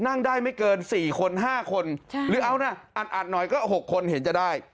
นั่งได้ไม่เกิน๔คน๕คนหรือเอานะอัดหน่อยก็๖คนเห็นจะได้